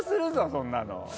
そんなの。